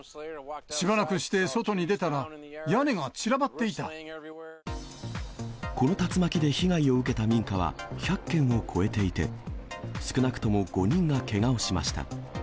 しばらくして外に出たら、屋根がこの竜巻で被害を受けた民家は１００軒を超えていて、少なくとも５人がけがをしました。